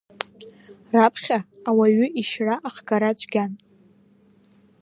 Раԥхьа ауаҩы ишьра ахгара цәгьан.